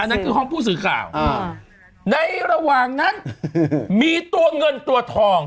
นั่นคือห้องผู้สื่อข่าวในระหว่างนั้นมีตัวเงินตัวทอง